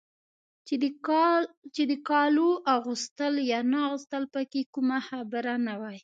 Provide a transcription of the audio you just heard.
چې د کالو اغوستل یا نه اغوستل پکې کومه خبره نه وای.